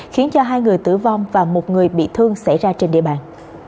khiến cho hai người tử vong và một người bị thương xảy ra trên địa bàn